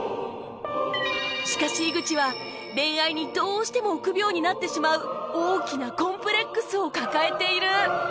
しかし井口は恋愛にどうしても臆病になってしまう大きなコンプレックスを抱えている